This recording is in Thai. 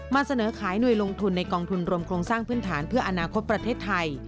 เสนอขายหน่วยลงทุนในกองทุนรวมโครงสร้างพื้นฐานเพื่ออนาคตประเทศไทย